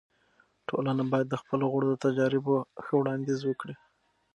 ټولنه باید د خپلو غړو د تجاريبو ښه وړاندیز وکړي.